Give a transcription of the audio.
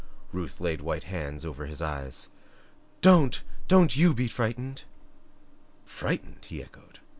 Ruth laid white hands over his eyes. "Don't don't YOU be frightened!" "Frightened?" he echoed.